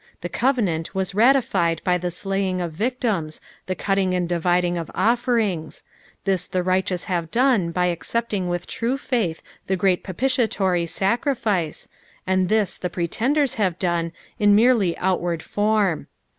The covenant was ratified by the slaying of victims, the cutting and dividing of offerings \ this the righteous have done by accepting with true faith the great propitiutory sacrifice, aud thia the pretendeia nave done in merely outward ,glc FSALU THE EIFnETH. 431 form.